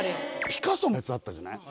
ピカソのやつあったじゃない。